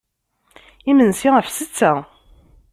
Imensi ɣef ssetta.